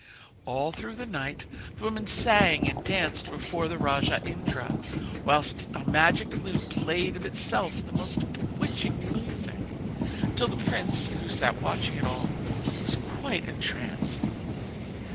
All through the night the women sang and danced before the rajah Indra, whilst a magic lute played of itself the most bewitching music; till the prince, who sat watching it all, was quite entranced.